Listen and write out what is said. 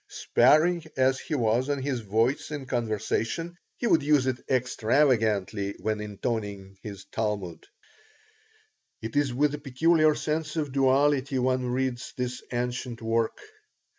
Sparing as he was of his voice in conversation, he would use it extravagantly when intoning his Talmud It is with a peculiar sense of duality one reads this ancient work.